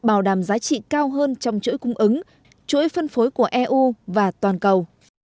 bảo đảm giá trị cao hơn trong chuỗi cung ứng chuỗi phân phối của eu và toàn cầu